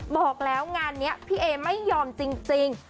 บอกแล้วงานนี้พี่เอไม่ยอมจริง